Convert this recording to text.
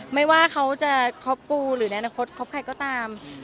ไม่ว่าเขาจะคบปูหรือในอนาคตคบใครก็ตาม